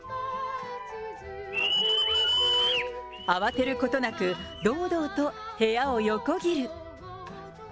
慌てることなく、堂々と部屋を横切る。